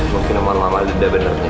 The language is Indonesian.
mungkin nama lama leda benernya